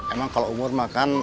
emang kalau umur makan